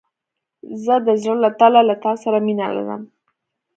زه د زړه له تله له تا سره مينه لرم.